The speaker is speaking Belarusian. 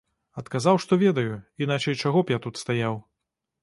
Адказаў, што ведаю, іначай чаго б я тут стаяў.